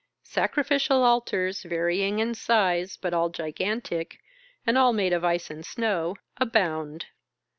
Sacrificial altars, varying in size, but all gigantic, and all made of ice and snow, abound.